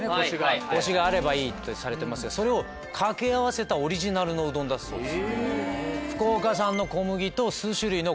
コシがあればいいとされてますがそれを掛け合わせたオリジナルのうどんだそうです。